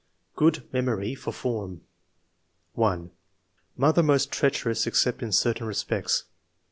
Good memory for form. I .'' Memory most treacherous except in certain respects.